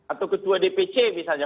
atau ketua dpc misalnya